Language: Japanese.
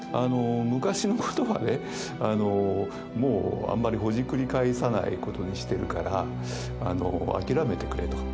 昔のことはねあのもうあんまりほじくり返さないことにしてるから諦めてくれと。